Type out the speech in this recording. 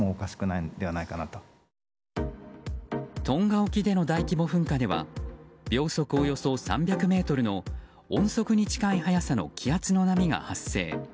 トンガ沖での大規模噴火では秒速およそ３００メートルの音速に近い速さの気圧の波が発生。